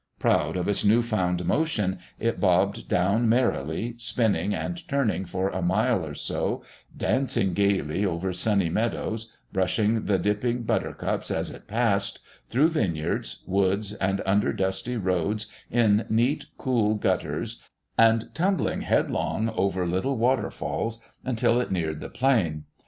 Proud of its new found motion, it bobbed down merrily, spinning and turning for a mile or so, dancing gaily over sunny meadows, brushing the dipping buttercups as it passed, through vineyards, woods, and under dusty roads in neat, cool gutters, and tumbling headlong over little waterfalls, until it neared the plain.